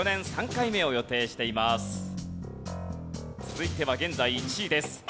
続いては現在１位です。